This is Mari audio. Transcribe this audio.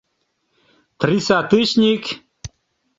Триса... тычник?